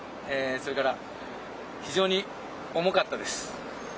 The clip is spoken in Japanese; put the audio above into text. それから、非常に重かったです！